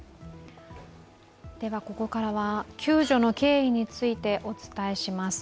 ではここからは、救助の経緯についてお伝えします。